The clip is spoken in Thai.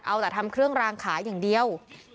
เอาแต่ทำเครื่องรางขายอย่างเดียว